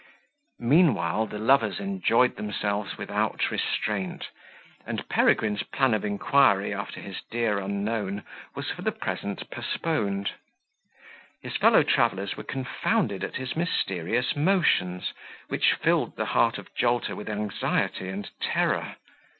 Meanwhile the lovers enjoyed themselves without restraint, and Peregrine's plan of inquiry after his dear unknown was for the present postponed. His fellow travellers were confounded at his mysterious motions, which filled the heart of Jolter with anxiety and terror.